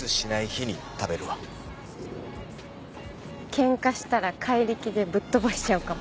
喧嘩したら怪力でぶっ飛ばしちゃうかも。